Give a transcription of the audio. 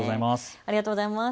ありがとうございます。